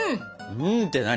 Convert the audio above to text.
「うん！」って何？